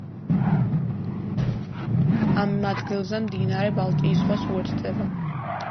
ამ ადგილას მდინარე ბალტიის ზღვას უერთდება.